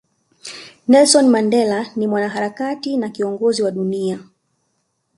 Nelson Mandela ni Mwanaharakati na Kiongozi wa dunia